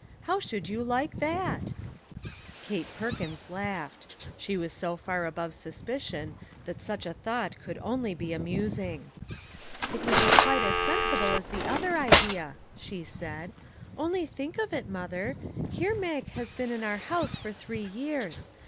How should you like that ?" Kate Perkins laughed. She was so far above suspicion that such a thought could be only amusing. " It would be quite as sensible as the other idea," she said. " Only think of it, mother, here Mag has been in our house for three years.